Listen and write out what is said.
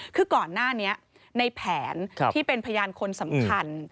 คือก่อนหน้านี้ในแผนที่เป็นพยานคนสำคัญ